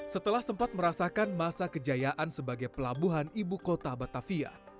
setelah sempat merasakan masa kejayaan sebagai pelabuhan ibu kota batavia